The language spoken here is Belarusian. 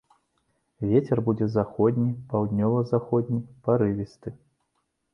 Вецер будзе заходні, паўднёва-заходні парывісты.